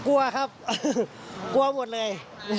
กลัวครับกลัวหมดเลย